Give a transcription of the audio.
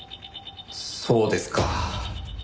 そうですか。